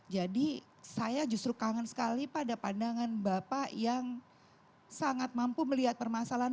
jadi saya justru kangen sekali pada pandangan bapak yang sangat mampu melihat permasalahan